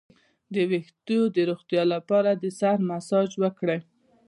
د ویښتو د روغتیا لپاره د سر مساج وکړئ